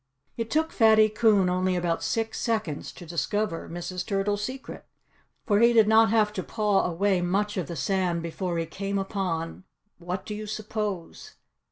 It took Fatty Coon only about six seconds to discover Mrs. Turtle's secret. For he did not have to paw away much of the sand before he came upon what do you suppose?